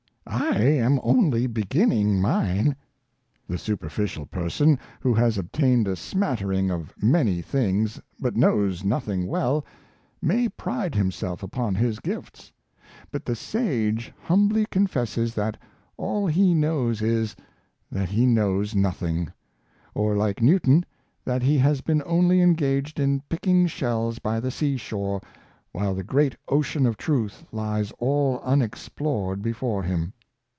I am only beginning mine." The superficial person, who has obtained a smattering of many things but knows nothing well, may pride himself upon his gifts; but the sage humbly confesses that ''all he knows is, that he knows nothing,'' or, like Newton, that he has been only engaged in picking shells by the sea shore while the great ocean of truth lies all unexplored before him.